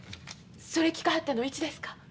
それ聞かはったのいつですか？